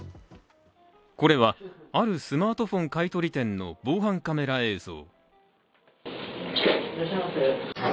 これはあるスマートフォン買い取り店の防犯カメラ映像。